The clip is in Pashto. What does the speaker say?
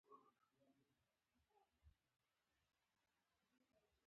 • تحصیل د رفتار یو ډول بلل کېده.